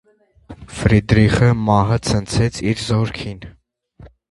Ֆրիդրիխը մահը ցնցեց իր զորքին։